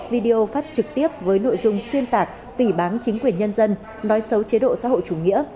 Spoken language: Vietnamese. một trăm tám mươi một video phát trực tiếp với nội dung xuyên tạc phỉ bán chính quyền nhân dân nói xấu chế độ xã hội chủ nghĩa